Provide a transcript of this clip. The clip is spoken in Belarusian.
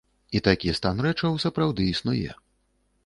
І такі стан рэчаў сапраўды існуе.